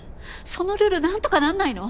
そのルール何とかなんないの？